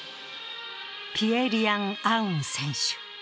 ピエ・リアン・アウン選手。